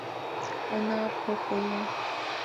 Онапу — куэ.